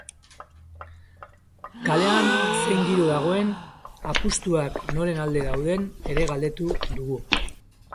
Kalean zein giro dagoen, apustuak noren alde dauden ere galdetu dugu.